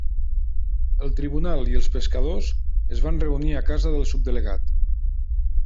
El tribunal i els pescadors es va reunir a casa del Subdelegat.